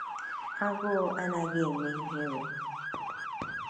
Agụụ anaghị eme ihere